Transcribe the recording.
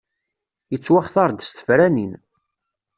Yettwaxtar-d s tefranin.